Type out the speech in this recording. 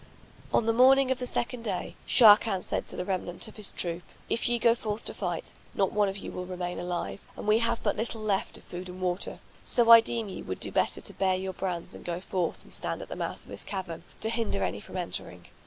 On the morning of the second day, Sharrkan said to the remnant of his troop, "If ye go forth to fight, not one of you will remain alive and we have but little left of food and water; so I deem ye would do better to bare your brands and go forth and stand at the mouth of this cavern, to hinder any from entering.